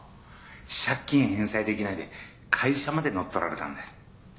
借金返済できないで会社までのっとられたんだ。